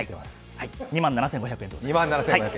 ２万７５００円でございます。